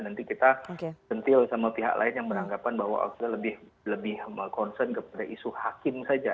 nanti kita sentil sama pihak lain yang beranggapan bahwa kita lebih concern kepada isu hakim saja